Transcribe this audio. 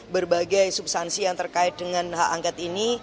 berbagai substansi yang terkait dengan hak angket ini